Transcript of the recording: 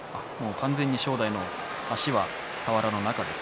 正代の足は俵の中です。